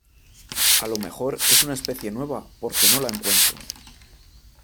a lo mejor es una especie nueva , porque no la encuentro